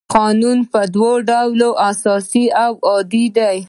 قانون په دوه ډوله اساسي او عادي دی.